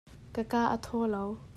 Ka kaa a thaw lo.